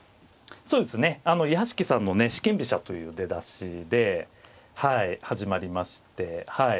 屋敷さんのね四間飛車という出だしで始まりまして。